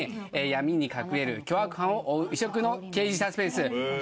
闇に隠れる凶悪犯を追う異色の刑事サスペンス